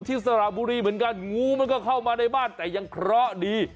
สระบุรีเหมือนกันงูมันก็เข้ามาในบ้านแต่ยังเคราะห์ดี